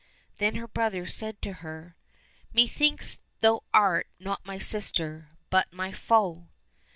"— Then her brother said to her, " Methinks thou art not my sister, but my foe